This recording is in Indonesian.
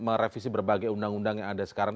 merevisi berbagai undang undang yang ada sekarang